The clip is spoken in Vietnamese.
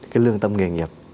cái lương tâm nghề nghiệp